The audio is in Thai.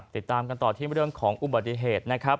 ติดตามกันต่อที่เป็นเรื่องของอุบัติเหตุ